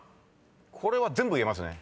これは全部言えますね。